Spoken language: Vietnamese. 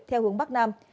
theo hướng bắc nam